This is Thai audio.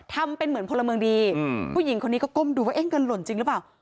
ทำเป็นเหมือนพลเมืองดีผู้หญิงคนนี้ก็ก้มดูว่าเอ๊ะเงินหล่นจริงหรือเปล่า